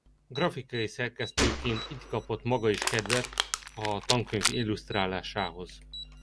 Grafikai szerkesztőként itt kapott maga is kedvet a tankönyv illusztráláshoz.